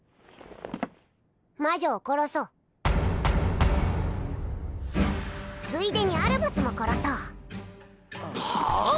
魔女を殺そうついでにアルバスも殺そうはあ！？